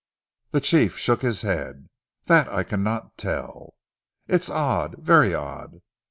The chief shook his head. "Dat I cannot tell." "It's odd, very odd!